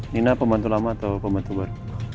nina pembantu lama atau pembantu bar